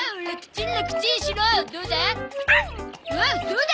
おっそうだ！